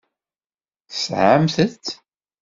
Tesɛamt-t.